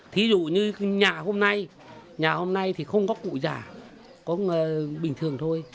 thí dụ như nhà hôm nay nhà hôm nay thì không có cụ già có bình thường thôi